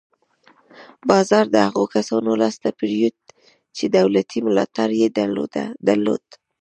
بازار د هغو کسانو لاس ته پرېوت چې دولتي ملاتړ یې درلود.